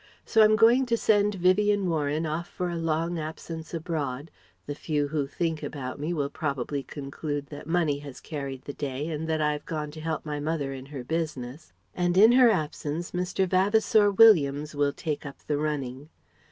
So I'm going to send Vivien Warren off for a long absence abroad the few who think about me will probably conclude that money has carried the day and that I've gone to help my mother in her business and in her absence Mr. Vavasour Williams will take up the running.